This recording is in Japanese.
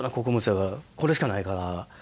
これしかないから。